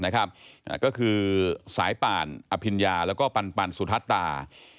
ก็คือสายป่านอภิญญาแล้วก็ปันสุทัศตา